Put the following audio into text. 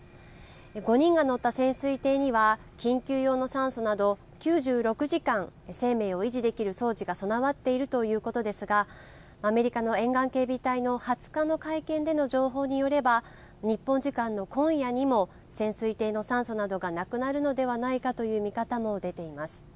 ５人が乗った潜水艇には緊急用の酸素など９６時間、生命を維持できる装置が備わっているということですがアメリカの沿岸警備隊の２０日の会見での情報によれば日本時間の今夜にも潜水艇の酸素などがなくなるのではないかという見方も出ています。